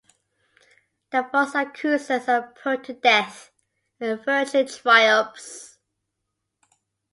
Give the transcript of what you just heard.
The false accusers are put to death, and virtue triumphs.